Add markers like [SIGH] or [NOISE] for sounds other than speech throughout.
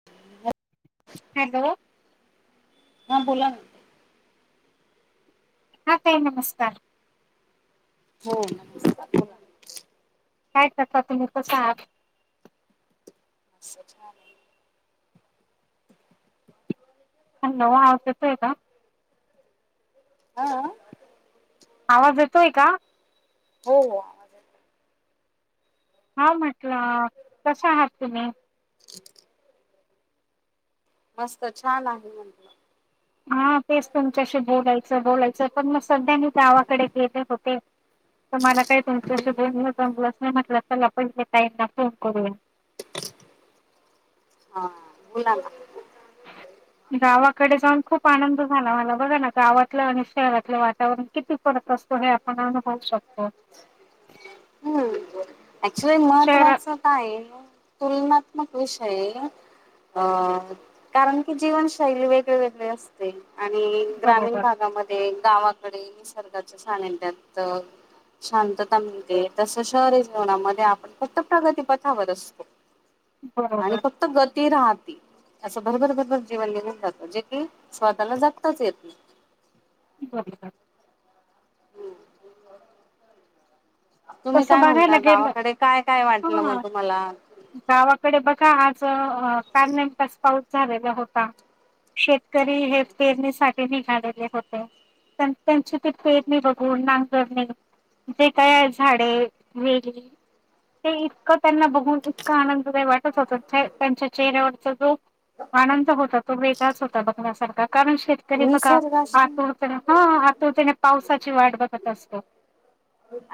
[UNINTELLIGIBLE] Hello हा बोला ना हां ताई नमस्कार हो ना काय करता तुम्ही कशा आहात? स छान हॅलो आवाज येतोय का? हा आवाज येतोय का? हो हो आवाज हा म्हटलं कशा आहात तुम्ही मस्त छान आहे म्हटलं. हा, तेच तुमच्याशी बोलायचं, बोलायचं पण मग सध्या मी गावाकडे गेले [UNINTELLIGIBLE] होती. मला काही तुमच्याशीोध जमलंच नाही म्हटलं तरल आपण टाईमना फोन करूया [UNINTELLIGIBLE] बलाला [UNINTELLIGIBLE] गावाकडे जाऊन खूप आनंद झाला मला बघा ना, गावातलं आणि शहरातलं वातावरण किती- फरक असतो, हे आपण होऊ शकतो. हम्म ऍक्च्युली शहरात महत्वाचं काय तुलनात्मक विषय- अ.. कारण की जीवनशैली वेगळी वेगळी अस- ते आणि ग्रामीण बरोबर भागामध्ये, गावाकडे, निसर्गाचे सानिध्यात - शांतता मिळते, तसं शहरा- मधे आपण फक्त प्रगतीपथावर [UNINTELLIGIBLE] असतो आणि बरोबर फक्त- ती राहते, असं भरभर भरभर जीवन [UNINTELLIGIBLE] लिवून जातं जे की स्वतःला जगताच येत नाही. बर सर [UNINTELLIGIBLE] तुम्ही तसं काय बघायला म्हणता, गेलं गावाकडे काय काय वाटलं हा मग तुम्हाला? गावाकडे बघा आज काल नेमकाच पाऊस झालेला होता. शेतकरी हे फेरणीसाठी निघालेले होते. त्यां त्यांची ते पेरणी बघून, नांगरणी जे काय आहे- झाडे, वेली ते इतकं त्यांना बघून- इतका आनंददाय वाटत होत, त्यांच्या चेहऱ्यावरचा जो- आनंद होता, तो वेगळाच होता बघण्यासारखा, कारण शेतकरी बघा निसर्गाशी आतुरत- हो, हो, आतुरतेने पावसाची वाट बघत असतो.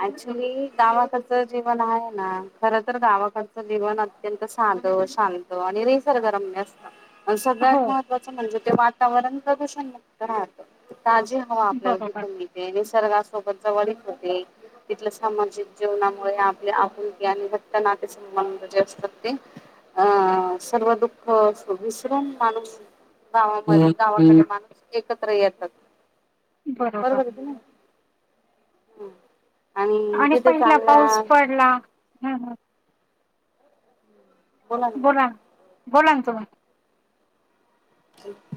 ऍक्च्युली गावाकडचं जीवन आहे ना, खर तर गावाकडचं जीवन- अत्यंत शांत, शांत आणि निसर्गरम्य अस- सगळ्यात हो महत्त्वाच म्हणजे ते वातावरण प्रदूषण मुक्त राहत, ताजी ह- वा आपल्याला बरोबर तिथे मिळते, निसर्गासोबतच जवळीक - मिळते, तिथलं सामाजिक जीवनामुळे आपले आपुलकी आणि घट्ट नात- मजे [UNINTELLIGIBLE] असतात ते अ सर्व दुःख विसरून माणूस- गावामध्ये, गावाकडे माणूस एकत्र येतात. बरोबर आहे की नाही? हं. आणि पहिला पाऊस पडला ह- बोला. बोला ना तुम्ही.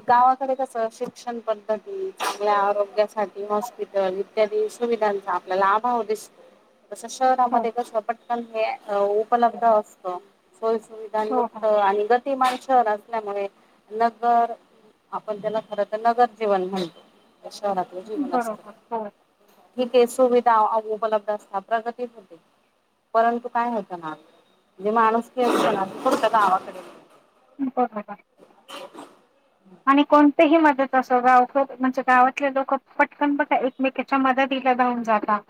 गावाकडे कस शिक्षण पद्धती, आपल्या आरोग्यासाठी हॉस्पिटल- त्यांनी सुविधांचा आपल्याला अभाव दिस- [UNINTELLIGIBLE] तसं हो शहरामध्ये पटकन हे उपलब्ध असत, सोईसुवि- हो यक्त हो आणि गतमानसर असल्यामुळे [UNINTELLIGIBLE] आपण त्यांना खर तर नगर जीवन म्हणतो, शहरात- जिवन बरोबर असतं, हो ठीक आहे सुविधा उपलब्ध असतात, प्रगती- परंतु काय होतं ना, म्हणजे माणूसकी असती ना ती फक्त गावाकडे- बर बर [UNINTELLIGIBLE] आणि कोणतेही मदत असो, गाव म्हणजे गावातले लोक पटकन पट एकमेकी- च्या मदतीला धावून जातात.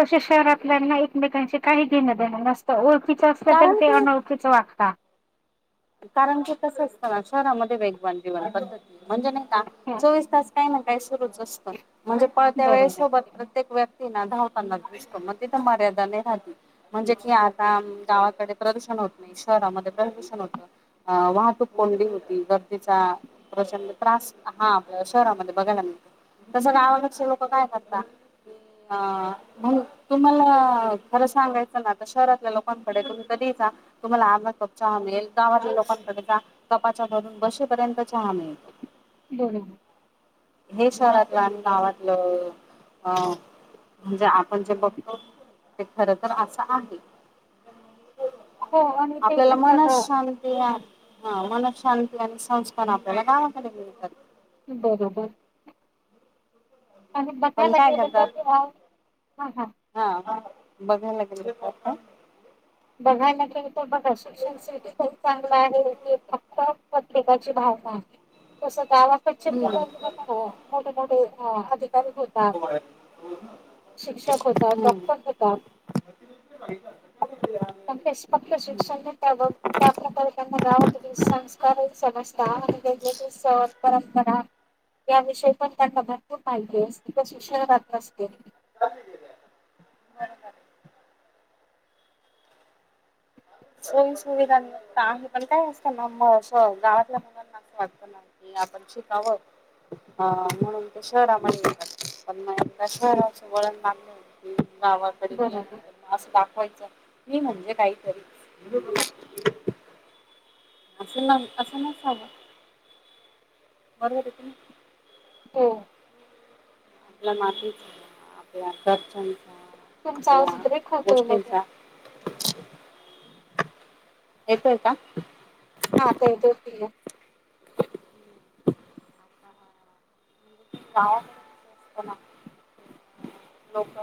तसे शहरातल्याना एकमेकांचे काही देणं देणं नसतं, ओळखीच असलं तरी कारण ते की अनोळ- खीच वागता. कारण की कस असतं ना, शहरामध्ये वेगवान जीवन पद्धती म्हणजे नाही का हो चौवीस तास- काही ना काही सुरूच असतं, म्हणजे पळत्या बरोबर वेळेसोबत प्रत्येक वेळ- धावतांना दिसतो, मग तिथं मार्यादा नाही राहत. म्हणजे कि आता गावाकडे प्रदूषण होत नाही, शहरामध्ये प्रदूषण होतं. वाहतूक कोंडी होती, गर्दीेचा- प्रचंड त्रास हा शहरामध्ये बघायला तस गावाकडचे लोक काय करतात क अ मग तुम्हाला खर सांगायचं ना आता शहरातल्या लोकांकडे तुम्ही कधीही जा तुम्हाला आर्धा कप चहा मिळेल. गावातल्या लोकांकडे जा कपाच्या वर बशी भरून चहा मिळेल. बरोबर. हे शहरातल आणि गावातल अअ- म्हणजे आपण जे बघतो, ते खर तर असं आहे. हो, आणि ते पण बघा हा, मन शांती आणि संस्कार आपल्याला गावाकडे मिळतात. बरोबर. [UNINTELLIGIBLE] पण बसायला काय गेले करतात तर हां -हां. बघायला गेलेत का आता? बघायला गेले तर बघाच शि चांगलं आहे, फक्त प्रत्येकाची भावना. तस गावात [INAUDIBLE] हम्म. मोठे मोठे अधिकारी हो शिक्षक होता, हम्म. डॉक्टर होतात. फक्त शिक्षण नाही त्या-त्या प्रकारे त्यांना गाव संस्कार ही समजता आणि वेगवेगळे सण, परंपरा. याविषयी पण त्यांना भरपूर माहिती असते, जी शिक्षणात नसते. [UNINTELLIGIBLE] सोयी सुविधा न आहे पण काय असतं ना गावातल्या मुलांनां असं वाटतं ना, आणि आपण शिकाव. म्हणून तर शहरामध्ये येत असतात, पण मग त्या शहराचे वळण लागत. गावात बरोबर असं दाखवायचं, मी म्हणजे काहीतरीच. असं न असं नसावं. बरोबर कि नाही. हो आपल्या मातीचा, आपल्या तथ्यांचा, तुमचा आपल्या आवाज ब्रेक होतोय मध्ये गोष्टींचा. [INAUDIBLE] येतोय का? हा आता येतोय पुर्ण. गावाकडे कस असतं ना [INAUDIBLE] लोक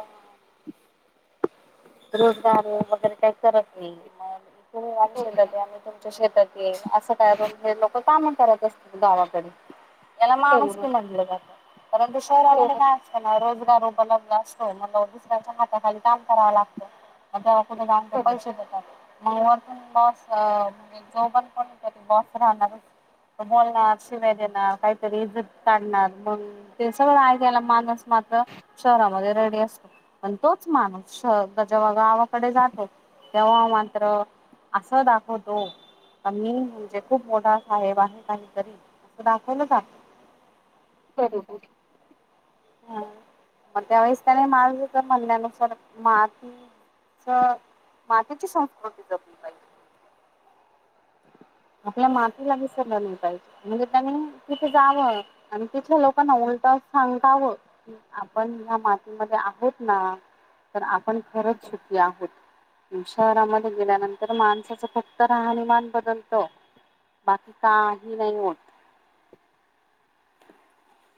रोजगार वगैरे काही करत नाही मग या बरोबर शेतात आणि तुमच्या शेतात असं काय पण करून ते लोक काम करत असतील गावाकडे. याला माणूसकी बरोबर म्हटलं जातं, परंतु हो शहरामध्ये हो काय असतं ना रोजगार उपलब्ध असतो. मग दुसऱ्याच्या हाताखाली काम करावं लागतं, मग कुठं जाऊन ते बरोबर पैसे देतात. [UNINTELLIGIBLE] बॉस राहणारच. बोलणार, शिव्या देणार, काहीतरी इज्जत काढणार मग ते सगळं ऐकायला मानूस मात्र शहरामध्ये रेडी असतो, पण तोच माणूस जेव्हा गावाकडे जातो, तेव्हा मात्र असं दाखवतो. मी म्हणजे खूप मोठा साहेब आहे, काहीतरी असं दाखवलं का? बरोबर मग त्यावेेळेस त्याने माझं तर म्हनण्या-नुसार माती मातीची संस्कृती जपली पाहिजे. आपल्या मातीला विसरला नाही पाहिजे. म्हणजे त्यांनी तिथे जावं आणि तिथल्या लोकांना उलट सांगतावं. आपण ह्या मातीमध्ये आहोत ना तर आ पण खरच सुखी आहोत. शहरामध्ये गेल्यानंतर माणसाचं फक्त राहणीमान बदल त बाकी काही नाही होत.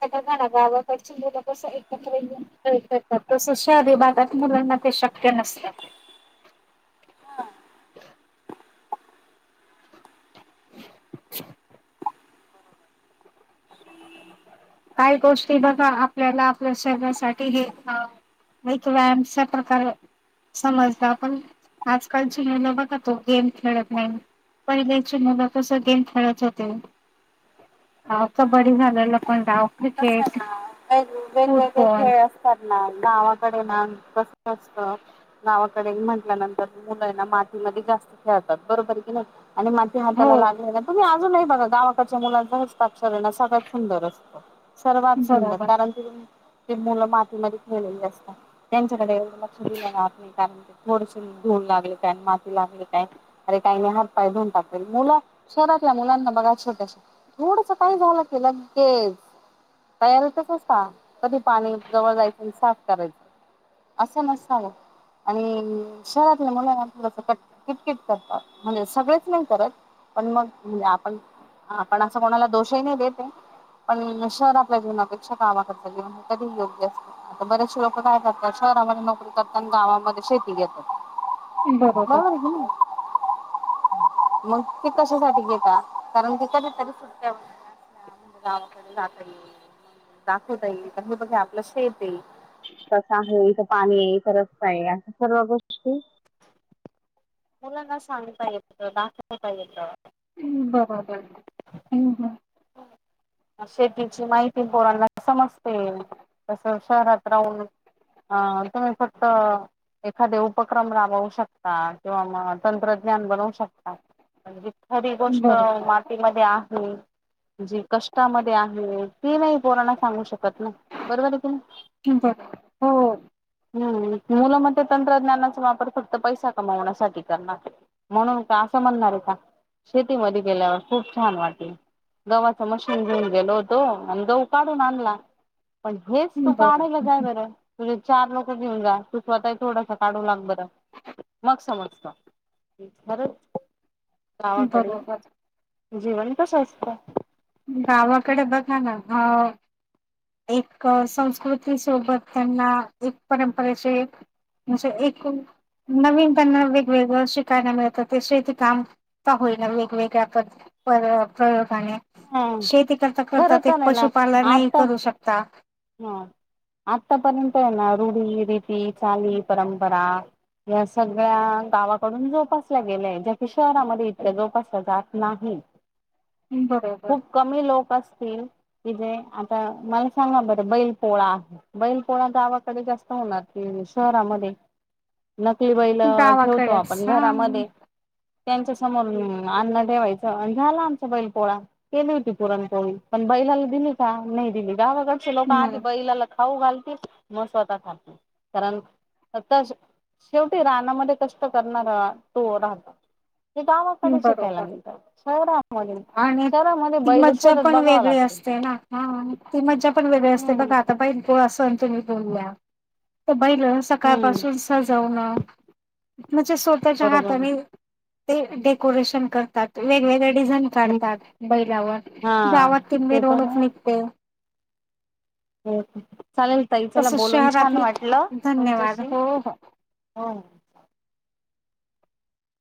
त्यां बघा ना गावाकडची मुलं कसं एकत्र यून खेळतात तस शहरी भागात मुलांना ते शक्य नसतं. हा. काही गोष्टी बघा आपल्याला आपल्या शरीरासाठी हे हा. वेळीच व्यायाम [UNINTELLIGIBLE] अशा प्रकारे समजता आपण आजकालची मुलं बघा तो गेम खेळत नाही. पहिल्याची मुलं कसं गेम खेळत होते. हाव कबड्डी घालायलं. पण डाव कसं आहे क्रिकेट ना वेगवेगळे फुटबॉल खेळ असतात ना, गावाकडे ना कसं असत. गावाकडे म्हटल्यानंतर मुलं हेना मातीमध्ये जास्त खेळतात बरोबर की नाई आणि मा ते हो हाताला लागलेय ना तुम्ही आजूनही बघा गावाकाच्या मुलांचं हस्ताक्षर हेणा सगळ्यात सुंदर असतं. सर्वात सुंदर बरोबर कारण ती ती मुलं मातीमध्ये खेळलेली असतात. त्यांच्याकडे एवढं लक्ष दिलं जात नाही कारण ते थोडेसे धूळ लागले काय माती लागली काय अरे काही मी हात पाय धुऊन टाकेल मुला शहरातल्या मुलांना बघा छोट्या थोडस काही झालं की लगेच तयारीतच अस का कधी पाणी जवळ जायचं आणि साफ करायचं असं नसावं. आणि शहरातल्या मुलांना थोडस किटकिट करतात म्हणजे सगळेच नाही करत पण मग म्हणजे आपण आपण असं कोणाला दोषही नाही देते पण शहराच्या जीवनापेक्षा गावाकडचे जिवन कधीही योग्य आहे. आता बरेचसे लोक काय करतात शहरामध्ये नोकरी करतात गावामध्ये शेती घेतात. बरोबर [UNINTELLIGIBLE] [INAUDIBLE] मग ते कशासाठी घेता कारण ते कधीतरी सुट्ट्या वर हा म्हणजे गावकडे जाता येईल. दाखवता येईल कि हे बघा आपलं शेेत आहे. कस आहे इथं पाणी आये, इथं रस्ता आहे अस सर्व गोष्टी मुलांना सांगता येत, दाखवता येत बरोबर ह्म. अ शेतीची माहिती पोरांना समजते. तसं शहरात राहून अ तुम्ही फक्त एखादे उपक्रम राबवू शकता किंवा म तंत्रज्ञान बनवू शकतात पण जी खरी गोष्ट बरोबर मातीमध्ये आहे. जी कष्टामध्ये आहे, ती नाही पोरांना सांगू शकत ना बरोबर आहे की नाही? ठीक आहे. हो. हम्म, मुलांना ते तंत्रज्ञानाचा वापर फक्त पैसा कमावण्यासाठी करणार. म्हणून का असं म्हणणार आहे का शेतीमध्ये गेल्यावर खूप छान वाटल. गव्हाचं मशीन घेऊन गेलो होतो. आणि गहू काढून आणला. पण हेच तू काढाला जा बरोबर बरं तुझे चार लोक घेऊन जा तू स्वतः थोडस काढू लाग बर मग समजत. खरंच गावाकडे, बरोबर जीवन कसं असतं. गावाकडे बघाना हाव एक संस्कृत विषय बघताना एक परंपरेचे असे एकूण नवीन त्यांना वेगवेगळं शिकायला मिळतं ते शेती काम का होईल वेगवेगळ्या पद्ध परत प्रयोगाने ह शेती करता खरं करतात ते तर नाही पशुपालनही करू शकता. हा आतापर्यंत हे ना रूढी, रीती, चाली, परंपरा या सगळ्या गावाकडून जोपासल्या गेल्याय ज्या की शहरामध्ये इतक्या जोपासल्या जात नाही हं बरोबर खूप कमी लोक असतील की जे आता मला सांगा बरं बैल पोळा बैल पोळा गावाकडे जास्त होणार की शहरामध्ये नकली बैल अ ठेवतो गावाकडेच आपण हा घरामध्ये त्यांच्या समोर अन्न ठेवायचं अनं झाला आमचा बैल पोळा. केली होती पुरणपोळी पण बैलाला दिली का नाय दिली गावाकडचे लोक आधी नाही बैलाला खाऊ घालतील म स्वतः खातील कारण [UNINTELLIGIBLE] शेवटी रानामध्ये कष्ट करणारा तो राहतो. हे गावाकडे शिकायला बरोबर मिळतात [UNINTELLIGIBLE] मध्ये शहरामध्ये बैल च शोधत पण बघावं वेगळी लागतील. असते ना हा ती मज्जा पण वेगळी असते हम्म बघा आता बैलपोळा सण तुम्ही बोलल्या ती बैल सकाळ हम्म पाासून सजवणं म्हणजे स्वतःच्या बरोबर हातानी डेकोरेशन करतात वेगवेगळ्या डिझाईन हम्म काढतात बैलावर हा गावात ती ते तर मिरवणूक निघते. हो चालेल ताई चला तसच बोलून छान शहरातले वाटलं धन्यवाद तुमच्याशी हो हो हो